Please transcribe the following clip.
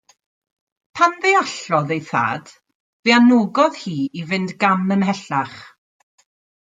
Pan ddeallodd ei thad, fe anogodd hi i fynd gam ymhellach.